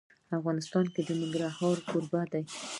افغانستان د ننګرهار کوربه دی.